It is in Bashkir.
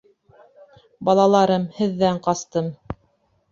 Балаларым, һеҙҙән ҡастым.